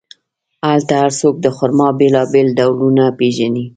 هلته هر څوک د خرما بیلابیل ډولونه پېژني.